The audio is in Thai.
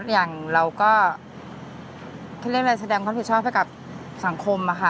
อย่างเราก็เขาเรียกอะไรแสดงความผิดชอบให้กับสังคมอะค่ะ